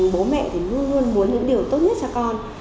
bố mẹ thì luôn luôn muốn những điều tốt nhất cho con